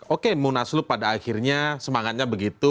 oke munaslup pada akhirnya semangatnya begitu